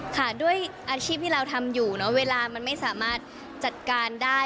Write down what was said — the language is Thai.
ค่ะด้วยอาชีพที่เราทำอยู่เนอะเวลามันไม่สามารถจัดการได้